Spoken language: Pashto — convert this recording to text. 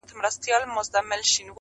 شرنګی دی د ناپایه قافلې د جرسونو-